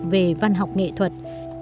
về văn học nghệ thuật